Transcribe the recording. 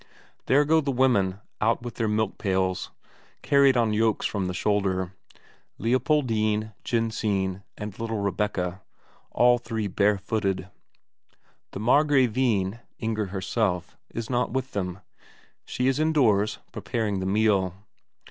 There go the women out with their milk pails, carried on yokes from the shoulder: Leopoldine, Jensine, and little Rebecca. All three barefooted. The Margravine, Inger herself, is not with them; she is indoors preparing the meal.